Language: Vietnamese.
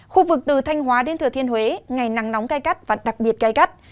khu vực từ thanh hóa đến thừa thiên huế ngày nắng nóng cay cắt và đặc biệt cay cắt